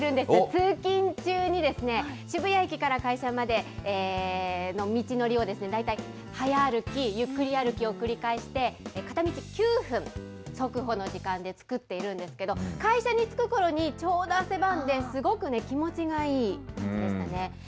通勤中に渋谷駅から会社までの道のりを、大体はや歩き、ゆっくり歩きを繰り返して、片道９分、速歩の時間で作っているんですけど、会社に着くころにちょうど汗ばんで、すごく気持ちがいい感じでしたね。